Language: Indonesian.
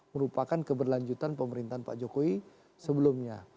merupakan keberlanjutan pemerintahan pak jokowi sebelumnya